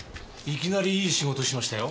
いきなりいい仕事しましたよ。